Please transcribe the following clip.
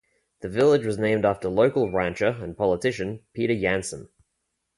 The village was named after local rancher and politician Peter Jansen.